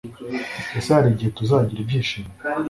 Ese hari igihe tuzagira ibyishimo